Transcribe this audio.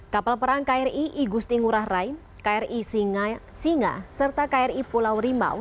kapal perang kri igusti ngurah rai kri singa serta kri pulau rimau